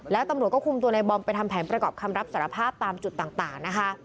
แล้วตำรวจก็คุมตัวในบอมไปทำแผนประกอบคำรับสารภาพตามจุดต่างนะคะ